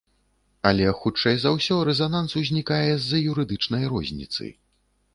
Але хутчэй за ўсё, рэзананс узнікае з-за юрыдычнай розніцы.